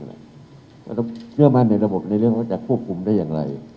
เราต้องเชื่อมั่นในระบบในเรื่องว่าจะควบคุมได้อย่างไร